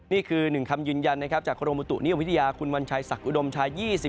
นี่คือ๑คำยืนยันนะครับจากกรมบุตุนิยมวิทยาคุณวัญชัยศักดิอุดมชาย๒๔